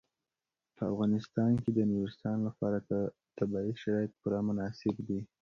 په افغانستان کې د نورستان لپاره طبیعي شرایط پوره مناسب دي.